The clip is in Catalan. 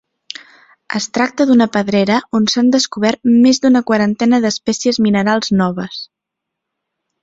Es tracta d'una pedrera on s'han descobert més d'una quarantena d'espècies minerals noves.